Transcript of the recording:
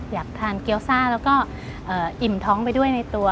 อยากทานเกี้ยวซ่าแล้วก็อิ่มท้องไปด้วยในตัว